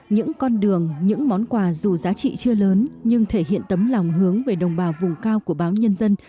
những con đường những món quà dù giá trị chưa lớn nhưng thể hiện tấm lòng hướng về đồng bào vùng cao của báo nhân dân